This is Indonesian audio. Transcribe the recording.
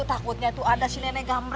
takutnya tuh ada si nenek gamreng keluar